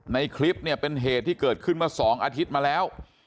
ในคลิปเนี่ยเป็นเหตุที่เกิดขึ้นมา๒อาทิตย์มาแล้ว